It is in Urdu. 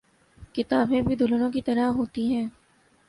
کتابیں بھی دلہنوں کی طرح ہوتی ہیں۔